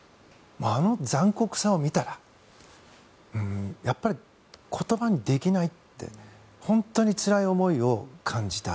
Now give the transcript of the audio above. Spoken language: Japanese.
あの残酷さを見たらやっぱり、言葉にできないって本当につらいを思いを感じた。